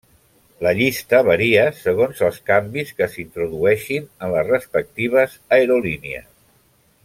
La llista varia segons els canvis que s'introdueixin en les respectives aerolínies.